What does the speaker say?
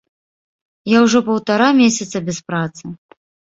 Я ужо паўтара месяца без працы.